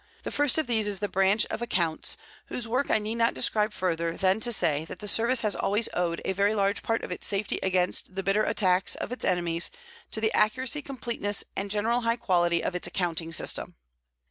The first of these is the Branch of Accounts, whose work I need not describe further than to say that the Service has always owed a very large part of its safety against the bitter attacks of its enemies to the accuracy, completeness, and general high quality of its accounting system.